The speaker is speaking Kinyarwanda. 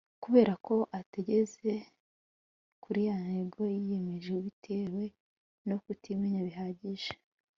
kubera ko atageze kuri ya ntego yiyemeje bitewe no kutimenya bihagije